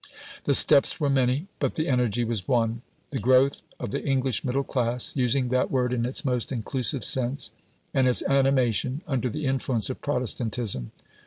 The steps were many, but the energy was one the growth of the English middle class, using that word in its most inclusive sense, and its animation under the influence of Protestantism.